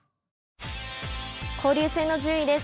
交流戦の順位です。